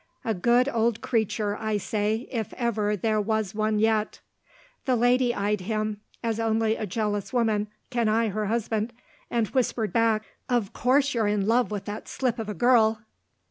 A good old creature, I say, if ever there was one yet." The lady eyed him, as only a jealous woman can eye her husband, and whispered back, "Of course you're in love with that slip of a girl!"